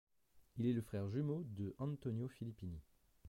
Il est le frère jumeau de Antonio Filippini.